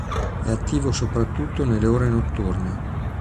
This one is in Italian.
È attivo soprattutto nelle ore notturne.